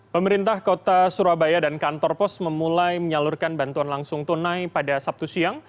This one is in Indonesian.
pemerintah kota surabaya dan kantor pos memulai menyalurkan bantuan langsung tunai pada sabtu siang